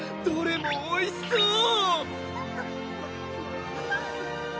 どれもおいしそう！